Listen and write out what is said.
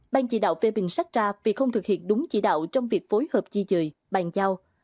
bang chỉ đạo phê bình sacha vì không thực hiện đúng chỉ đạo trong việc phối hợp di dời bàn giao